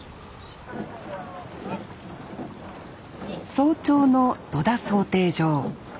早朝の戸田漕艇場。